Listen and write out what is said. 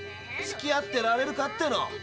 ったくつきあってられるかっての。